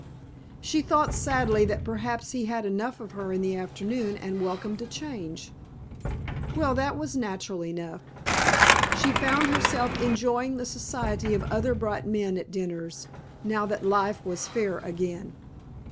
She thought sadly that perhaps he had enough of her in the afternoon and welcomed a change. Well, that was natural enough. She found herself enjoying the society of other bright men at dinners, now that life was fair again.